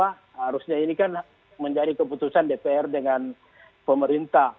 harusnya ini kan menjadi keputusan dpr dengan pemerintah